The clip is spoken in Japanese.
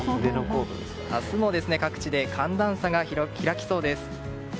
明日も各地で寒暖差が開きそうです。